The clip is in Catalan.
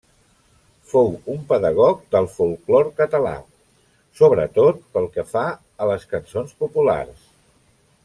Fou un pedagog del folklore català, sobretot pel que fa a les cançons populars.